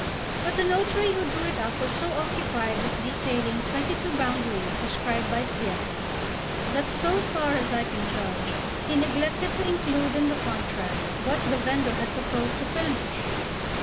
But the notary who drew it up was so occupied with detailing twenty two boundaries described by Sbietta, that, so far as I can judge, he neglected to include in the contract what the vendor had proposed to furnish.